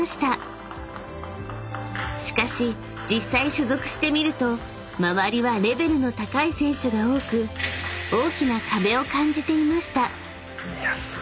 ［しかし実際所属してみると周りはレベルの高い選手が多く大きな壁を感じていました］